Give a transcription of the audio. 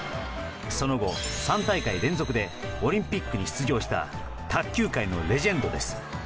その後、３大会連続でオリンピックに出場した卓球界のレジェンドです。